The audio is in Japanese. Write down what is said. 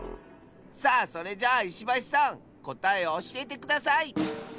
さあそれじゃあいしばしさんこたえをおしえてください！